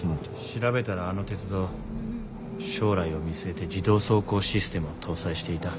調べたらあの鉄道将来を見据えて自動走行システムを搭載していた。